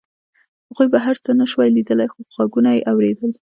هغوی بهر څه نشوای لیدلی خو غږونه یې اورېدل